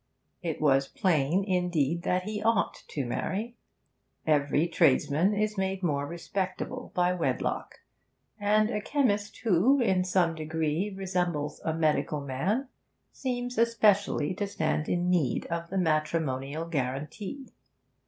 It was plain, indeed, that he ought to marry. Every tradesman is made more respectable by wedlock, and a chemist who, in some degree, resembles a medical man, seems especially to stand in need of the matrimonial guarantee.